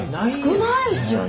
少ないですよね。